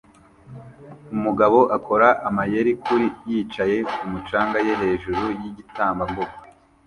Umugabo akora amayeri kuri yicaye kumu canga ye hejuru yigitambambuga